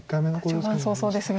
序盤早々ですが。